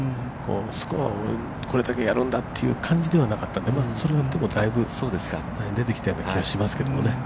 スコアを、これだけやるんだという感じではなかったんで、それが大分出てきたような気はしますけどね。